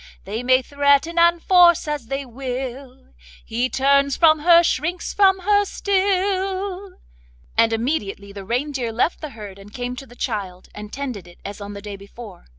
They may threaten and force as they will, He turns from her, shrinks from her still,' and immediately the reindeer left the herd and came to the child, and tended it as on the day before.